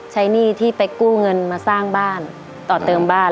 หนี้ที่ไปกู้เงินมาสร้างบ้านต่อเติมบ้าน